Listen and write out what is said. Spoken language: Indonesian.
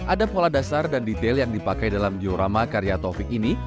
ada pola dasar dan detail yang dipakai dalam diorama karya taufik ini